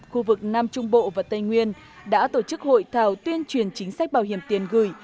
khu vực nam trung bộ và tây nguyên đã tổ chức hội thảo tuyên truyền chính sách bảo hiểm tiền gửi